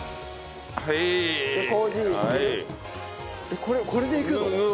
えっこれでいくの？